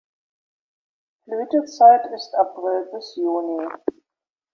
Blütezeit ist April bis Juni.